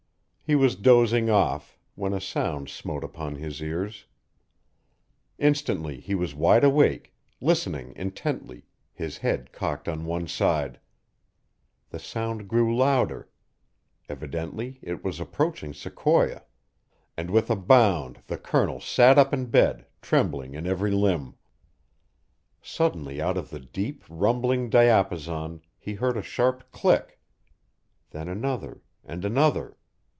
He was dozing off, when a sound smote upon his ears. Instantly he was wide awake, listening intently, his head cocked on one side. The sound grew louder; evidently it was approaching Sequoia and with a bound the Colonel sat up in bed, trembling in every limb. Suddenly, out of the deep, rumbling diapason he heard a sharp click then another and another.